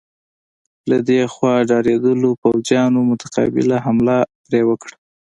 له دې خوا ډارېدلو پوځیانو متقابله حمله پرې وکړه.